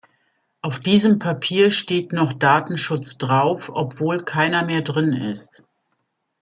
Auf diesem Papier steht noch Datenschutz drauf, obwohl keiner mehr drin ist.